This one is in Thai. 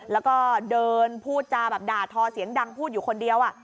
แล้วก็เดินพูดจาแบบด่าทอเสียงดังพูดอยู่คนเดียว